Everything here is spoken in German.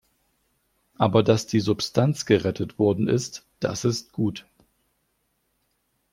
Aber dass die Substanz gerettet worden ist, das ist gut.